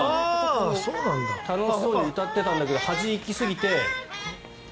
楽しそうに歌ってたんだけど端に行き過ぎて。